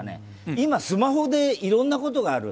今、スマホでいろんなことがある。